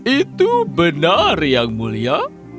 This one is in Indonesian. itu benar yang mulia